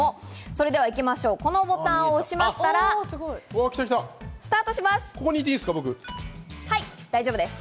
行きましょう、このボタンを押しましたらスタートします。